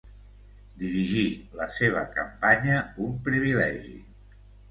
Dirigir la seva campanya, un privilegi.